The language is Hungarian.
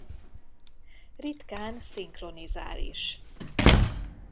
Ritkán szinkronizál is.